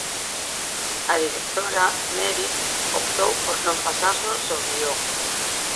A directora, Meri, optou por non pasarnos o guión.